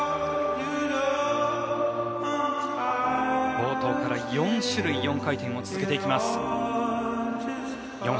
冒頭から４種類４回転を続けます。